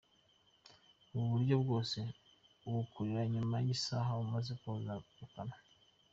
Ubu buryo bwose ubukore nyuma y’isaha umaze koza mu kanwa.